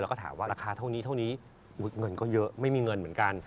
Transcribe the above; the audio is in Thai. แล้วก็ถามว่าราคาเท่านี้เท่านี้เงินก็เยอะไม่มีเงินเหมือนกัน